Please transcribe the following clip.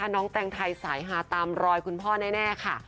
แตงไทยสายฮาตามรอยคุณพ่อแน่ค่ะ